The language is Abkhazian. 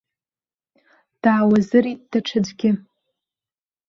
Даауазырит даҽаӡәгьы.